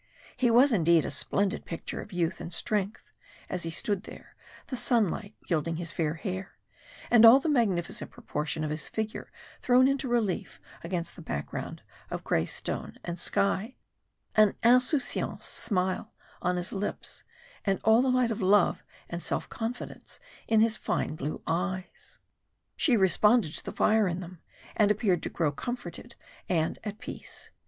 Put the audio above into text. He was indeed a splendid picture of youth and strength, as he stood there, the sunlight gilding his fair hair, and all the magnificent proportions of his figure thrown into relief against the background of grey stone and sky, an insouciante smile on his lips, and all the light of love and self confidence in his fine blue eyes. She responded to the fire in them, and appeared to grow comforted and at peace.